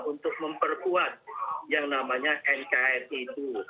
untuk memperkuat yang namanya nkri itu